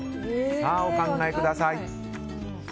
お考えください。